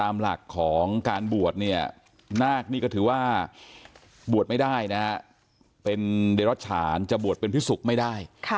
พระพุทธกาลจะบวชเป็นพิศุกร์ไม่ได้